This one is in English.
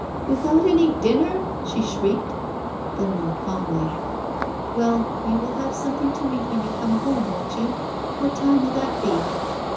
"Without any dinner?" she shrieked. Then, more calmly — "Well, you will have something to eat when you come home, won't you? What time will that be?"